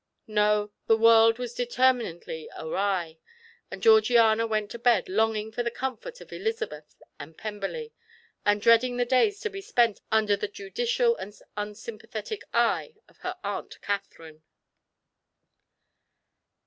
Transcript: No; the world was determinedly awry, and Georgiana went to bed longing for the comfort of Elizabeth and Pemberley, and dreading the days to be spent under the judicial and unsympathetic eye of her Aunt Catherine.